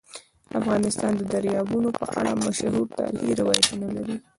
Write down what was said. افغانستان د دریابونه په اړه مشهور تاریخی روایتونه لري.